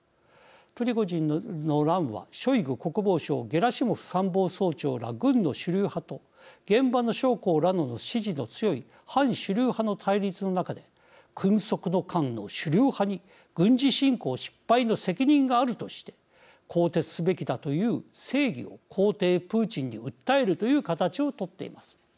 プリゴジンの乱はショイグ国防相ゲラシモフ参謀総長ら軍の主流派と現場の将校らの支持の強い反主流派の対立の中で君側の奸の主流派に軍事侵攻失敗の責任があるとして更迭すべきだという正義を皇帝プーチンに訴えるという形を取っています。